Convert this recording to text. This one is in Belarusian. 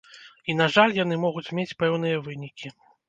І, на жаль, яны могуць мець пэўныя вынікі.